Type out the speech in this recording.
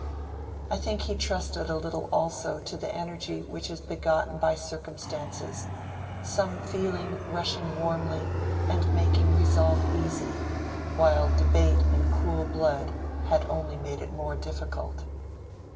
I think he trusted a little also to the energy which is begotten by circumstances—some feeling rushing warmly and making resolve easy, while debate in cool blood had only made it more difficult.